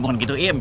bukan gitu im